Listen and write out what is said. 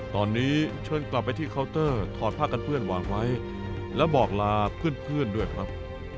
ตอนนี้เชิญกลับไปที่เคาน์เตอร์ถอดผ้ากันเปื้อนวางไว้แล้วบอกลาเพื่อนด้วยครับ